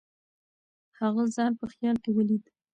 هغه ځان په خیال کې ولید.